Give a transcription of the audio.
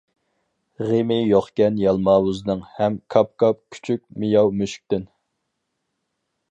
غېمى يوقكەن يالماۋۇزنىڭ ھەم، كاپ-كاپ كۈچۈك مىياۋ مۈشۈكتىن.